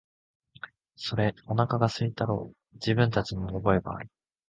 それ、おなかが空いたろう、自分たちにも覚えがある、